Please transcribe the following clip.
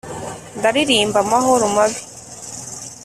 ndaririmba amahoro mabi